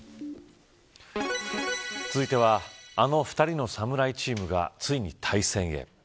続いてはあの２人の侍チームがついに対戦へ。